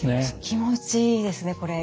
気持ちいいですねこれ。